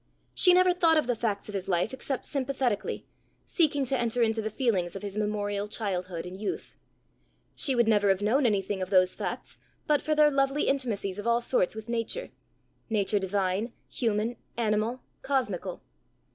She never thought of the facts of his life except sympathetically, seeking to enter into the feelings of his memorial childhood and youth; she would never have known anything of those facts but for their lovely intimacies of all sorts with Nature nature divine, human, animal, cosmical.